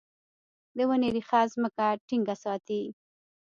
د ونې ریښه ځمکه ټینګه ساتي.